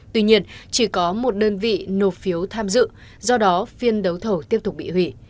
tuy nhiên chỉ có một đơn vị nộp phiếu tham dự do đó phiên đấu thầu tiếp tục bị hủy